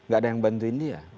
gak ada yang bantuin dia